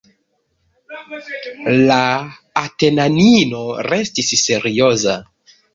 La atenanino restis serioza.